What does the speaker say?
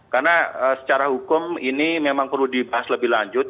karena secara hukum ini memang perlu dibahas lebih lanjut